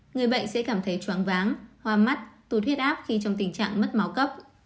người bệnh sẽ cảm thấy chóng váng hoa mắt tụt huyết áp khi trong tình trạng mất máu cấp